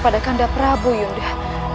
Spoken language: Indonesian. pada kandap rabu yunda